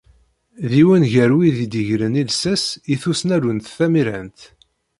D yiwen gar wid i d-igren llsas i tusnallunt tamirant.